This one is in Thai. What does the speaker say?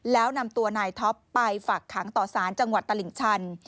แล้วนำตัวนายท็อปไปฝากขังต่อสารจังหวัดตลิ่งชัน